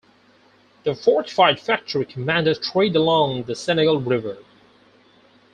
The fortified factory commanded trade along the Senegal River.